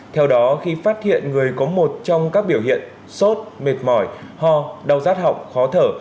theo đó khi phát hiện người có một trong các biểu hiện sốt mệt mỏi ho đau rát họng khó thở